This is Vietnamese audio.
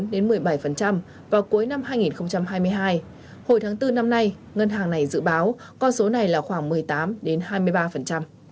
đến một mươi bảy vào cuối năm hai nghìn hai mươi hai hồi tháng bốn năm nay ngân hàng này dự báo con số này là khoảng một mươi tám hai mươi ba